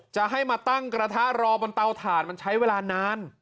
จะให้มาตั้งกระทะรอบนเตาถ่านมันใช้เวลานาน